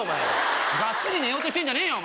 がっつり寝ようとしてんじゃねえよ！